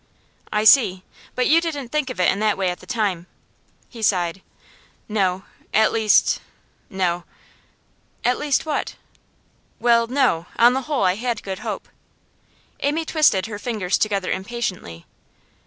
'I see. But you didn't think of it in that way at the time.' He sighed. 'No. At least no.' 'At least what?' 'Well, no; on the whole I had good hope.' Amy twisted her fingers together impatiently.